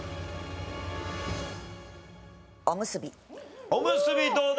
おむすびどうだ？